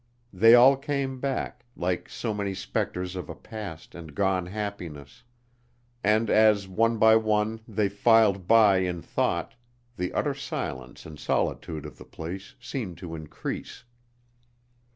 They all came back, like so many spectres of a past and gone happiness, and as, one by one, they filed by in thought, the utter silence and solitude of the place seemed to increase.